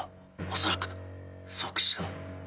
恐らく即死だ。